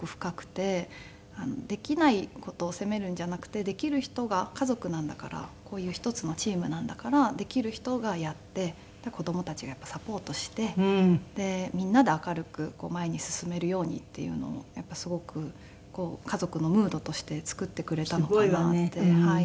できない事を責めるんじゃなくてできる人が家族なんだからこういう一つのチームなんだからできる人がやって子供たちがサポートしてみんなで明るく前に進めるようにっていうのをすごく家族のムードとして作ってくれたのかなって思います。